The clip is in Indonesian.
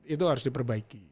itu harus diperbaiki